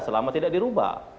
selama tidak dirubah